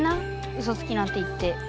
ウソつきなんて言って。